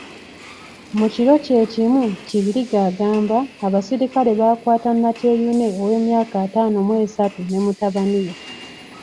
Mu kiro kye kimu, Kibirige agamba abasirikale baakwata Nakyeyune ow'emyaka ataano mu esatu ne mutabani we.